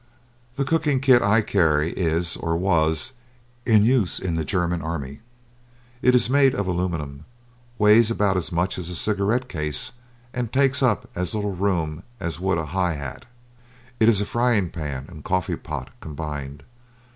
The cooking kit I carry is, or was, in use in the German army. It is made of aluminum, weighs about as much as a cigarette case, and takes up as little room as would a high hat. It is a frying pan and coffee pot combined.